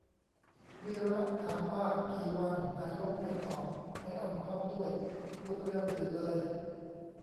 วีระถามว่า กี่วัน นายกไม่ตอบ ไม่อ้อมค้อมด้วย พูดเรื่องอื่นเลย !